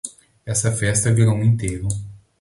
Essa festa virou um enterro